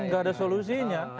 gak ada solusinya